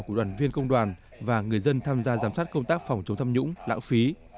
của đoàn viên công đoàn và người dân tham gia giám sát công tác phòng chống tham nhũng lãng phí